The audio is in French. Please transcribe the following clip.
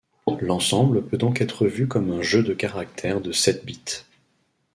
L'ensemble peut donc être vu comme un jeu de caractères de sept bits.